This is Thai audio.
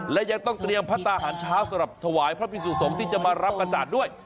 และยังต้องเตรียมพัฒนาหารเช้าสำหรับถวายพระพิสุสงฆ์ที่จะมารับกระจาดด้วย